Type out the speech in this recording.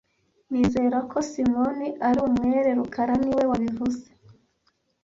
Nizera ko Simoni ari umwere rukara niwe wabivuze